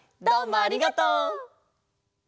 どうもありがとう！